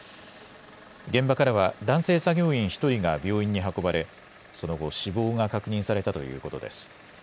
現場からは男性作業員１人が病院に運ばれ、その後、死亡が確認されたということです。